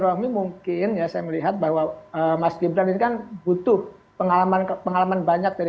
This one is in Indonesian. romi mungkin ya saya melihat bahwa mas gibran ini kan butuh pengalaman pengalaman banyak dari